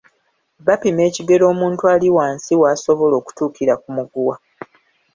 Bapima ekigero omuntu ali wansi w’asobola okutuukira ku muguwa.